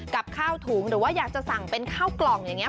กับข้าวถุงหรือว่าอยากจะสั่งเป็นข้าวกล่องอย่างนี้